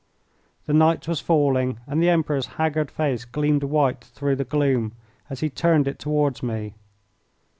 The night was falling, and the Emperor's haggard face gleamed white through the gloom as he turned it toward me.